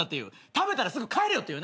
食べたらすぐ帰れよっていうね。